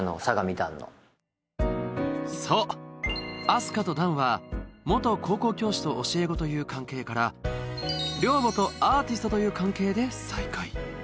あす花と弾は元高校教師と教え子という関係から寮母とアーティストという関係で再会